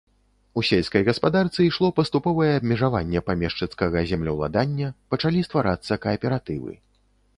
У сельскай гаспадарцы ішло паступовае абмежаванне памешчыцкага землеўладання, пачалі стварацца кааператывы.